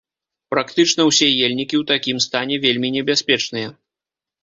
Практычна ўсе ельнікі ў такім стане вельмі небяспечныя.